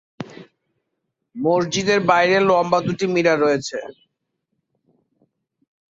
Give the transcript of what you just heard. মসজিদের বাইরে লম্বা দুটি মিনার রয়েছে।